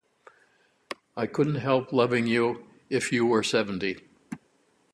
I couldn't help loving you if you were seventy!